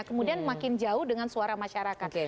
kemudian makin jauh dengan suara masyarakat